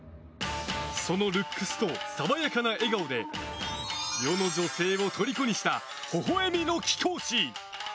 そのルックスと爽やかな笑顔で世の女性をとりこにしたほほ笑みの貴公子。